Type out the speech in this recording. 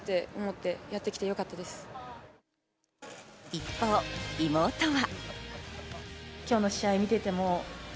一方、妹は。